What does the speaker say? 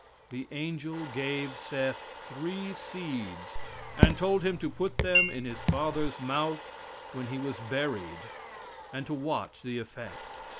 The angel gave Seth three seeds, and told him to put them in his father's mouth when he was buried and to watch the effect.